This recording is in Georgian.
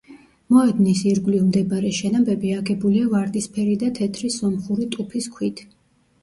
მოედნის ირგვლივ მდებარე შენობები აგებულია ვარდისფერი და თეთრი სომხური ტუფის ქვით.